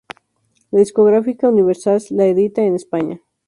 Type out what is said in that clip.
La discográfica Universal lo edita en España.